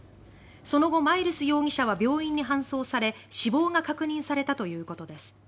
その後、マイルス容疑者は病院に搬送され死亡が確認されたということです。